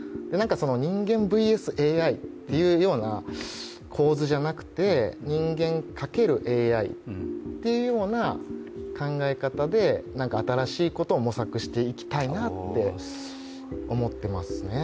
人間ＶＳＡＩというような構図じゃなくて人間×ＡＩというような考え方で何か新しいことを模索していきたいなって思っていますね。